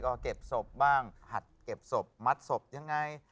ก็เก็บศพบ้างหัดเก็บศพมัดศพยังไง